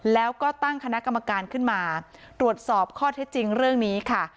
แล้วก็ตั้งคณะกรรมการขึ้นมาตรวจสอบข้อเท็จจริงเรื่องนี้ค่ะ